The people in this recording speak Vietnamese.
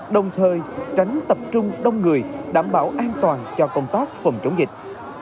đồng thời tránh tập trung đông người đảm bảo an toàn cho công tác phòng chống dịch